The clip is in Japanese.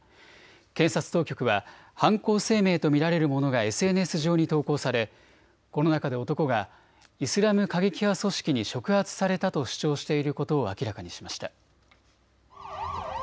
検察当局は犯行声明と見られるものがＳＮＳ上に投稿されこの中で男がイスラム過激派組織に触発されたと主張していることを明らかにしました。